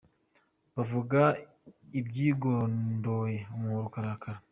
Bavuga ibyigondoye umuhoro ukarakara.